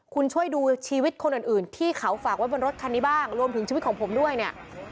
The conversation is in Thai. คุณช่วยดูชีวิตคนอื่นที่เขาฝากไว้บนรถคันนี้บ้างรวมถึงชีวิตของผมด้วยเนี่ย